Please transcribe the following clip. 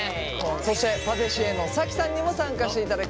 そしてパティシエのＳａｋｉさんにも参加していただきます。